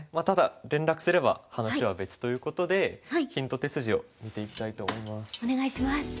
ただ連絡すれば話は別ということでヒント手筋を見ていきたいと思います。